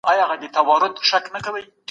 تاسي بايد خپله ډوډې په پاکۍ پخه کړئ.